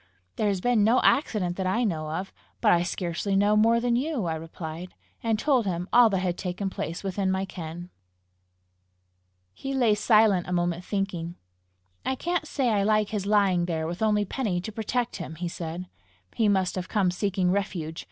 "There has been no accident that I know of. But I scarcely know more than you," I replied and told him all that had taken place within my ken. He lay silent a moment, thinking. "I can't say I like his lying there with only Penny to protect him!" he said. "He must have come seeking refuge!